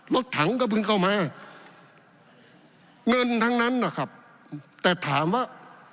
รถถังก็เพิ่งเข้ามาเงินทั้งนั้นนะครับแต่ถามว่า